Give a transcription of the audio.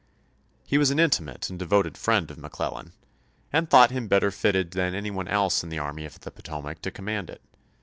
He was an intimate and devoted friend chap. x. of McClellan, and thought him better fitted than 1862. any one else in the Army of the Potomac to com mand it.